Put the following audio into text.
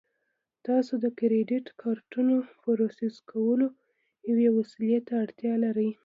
تاسو د کریډیټ کارتونو پروسس کولو یوې وسیلې ته اړتیا لرئ